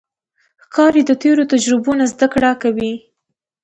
ښکاري د تیرو تجربو نه زده کړه کوي.